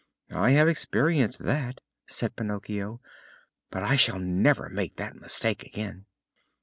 "I have experienced that," said Pinocchio, "but I shall never make that mistake again."